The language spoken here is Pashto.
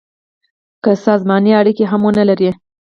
که سازماني اړیکي هم ونه لري.